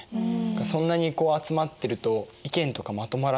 そんなに集まってると意見とかまとまらなさそう。